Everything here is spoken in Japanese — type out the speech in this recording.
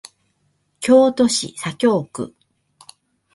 京都市左京区